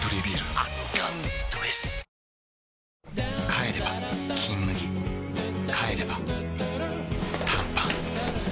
帰れば「金麦」帰れば短パン